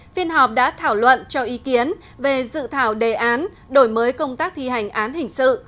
phiên họp đã thảo luận cho ý kiến về dự thảo đề án đổi mới công tác thi hành án hình sự